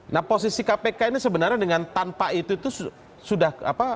nah posisi kpk ini sebenarnya dengan tanpa itu itu sudah apa